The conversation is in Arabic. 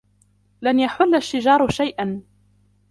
لن يحل الشجار شيئاً.